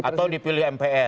atau dipilih mpr